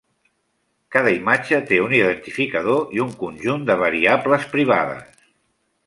Cada imatge té un identificador i un conjunt de variables privades.